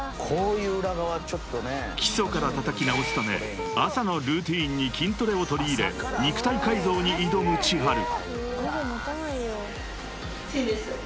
［基礎からたたき直すため朝のルーティンに筋トレを取り入れ肉体改造に挑むｃｈｉｈａｒｕ］